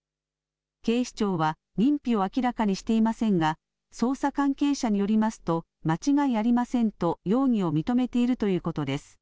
警視庁は認否を明らかにしていませんが、捜査関係者によりますと、間違いありませんと容疑を認めているということです。